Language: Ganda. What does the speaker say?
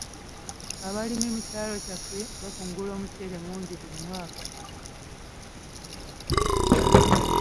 Abalimi mu kyalo kyaffe bakungula omuceere mungi buli mwaka.